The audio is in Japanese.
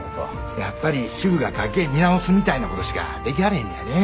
やっぱり主婦が家計見直すみたいなことしかできはれへんのやねぇ。